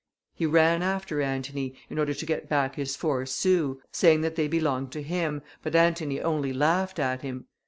He ran after Antony, in order to get back his four sous, saying that they belonged to him, but Antony only laughed at him.